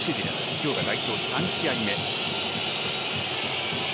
今日が代表３試合目。